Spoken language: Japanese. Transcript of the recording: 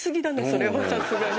それはさすがに。